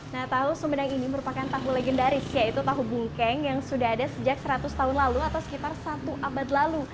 nah tahu sumedang ini merupakan tahu legendaris yaitu tahu bungkeng yang sudah ada sejak seratus tahun lalu atau sekitar satu abad lalu